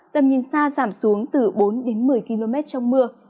tầm nhìn xa giảm xuống từ bốn đến một mươi km trong mưa